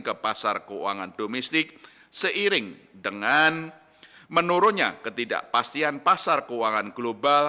ke pasar keuangan domestik seiring dengan menurunnya ketidakpastian pasar keuangan global